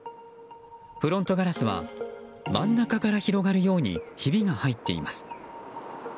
フロントガラスは真ん中から広がるようにひびが入っています。